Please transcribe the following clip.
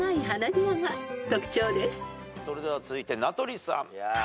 それでは続いて名取さん。